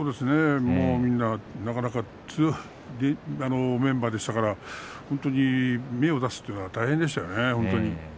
みんななかなか強いメンバーでしたから本当に芽を出すというのは大変でしたね。